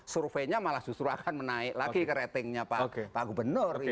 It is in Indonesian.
surveinya malah justru akan menaik lagi ke ratingnya pak gubernur